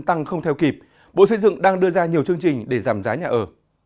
tăng không theo kịp bộ xây dựng đang đưa ra nhiều chương trình để giảm giá nhà ở